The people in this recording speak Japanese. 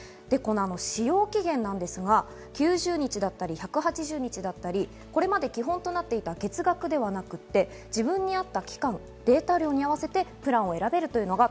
使用期限ですが、９０日だったり１８０日だったり、これまで基本となっていた月額ではなく自分にあった期間、データ量に合わせてプランを選べます。